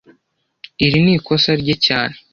Iri ni ikosa rye cyane